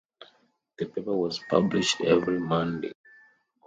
The paper was published every Monday.